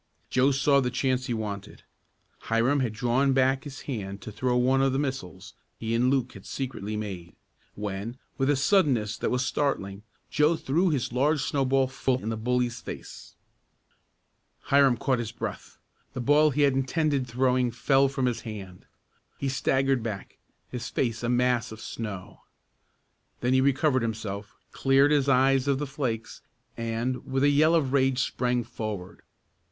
Joe saw the chance he wanted. Hiram had drawn back his hand to throw one of the missiles he and Luke had secretly made, when, with a suddenness that was startling, Joe threw his large snowball full in the bully's face. Hiram caught his breath. The ball he had intended throwing fell from his hand. He staggered back, his face a mass of snow. Then he recovered himself, cleared his eyes of the flakes and, with a yell of rage sprang forward.